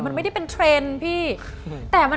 มันไม่ได้เป็นเทรนด์พี่